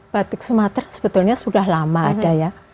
batik sumatera sebetulnya sudah lama ada ya